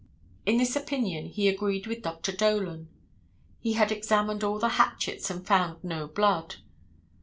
In this opinion he agreed with Dr. Dolan. He had examined all the hatchets and found no blood.